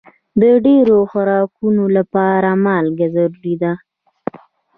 د ډېرو خوراکونو لپاره مالګه ضروري ده.